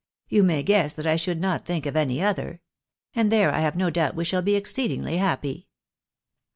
Ton may guess that I should not think of any other. Ap^d there I have no doubt we shall be exceedingly happy.